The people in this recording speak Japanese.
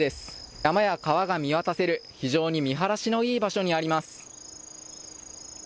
山や川が見渡せる、非常に見晴らしのいい場所にあります。